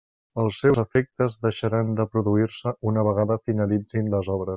Els seus efectes deixaran de produir-se una vegada finalitzin les obres.